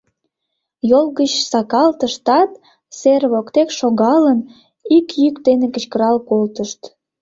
Йол гыч сакалтыштат, сер воктек шогалын, ик йӱк дене кычкырал колтышт: